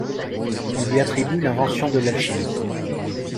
On lui attribue l'invention de l'alchimie.